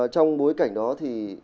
trong bối cảnh đó thì